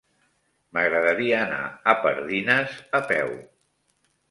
M'agradaria anar a Pardines a peu.